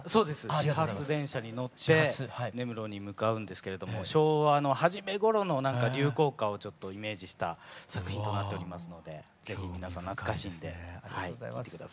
始発電車に乗って根室に向かうんですけれども昭和の初めごろの流行歌をイメージした作品となっておりますので是非皆さん懐かしんで聴いて下さい。